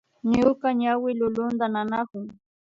Ñuka ñawi lulunta nanakun